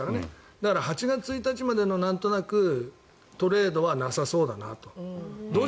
だから８月１日までのなんとなく、トレードはなさそうだなと。